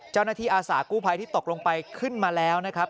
เจ้าหน้าที่อาสาหกู้ไพลที่ตกลงไปขึ้นมาแล้วนะครับ